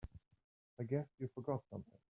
I guess you forgot something.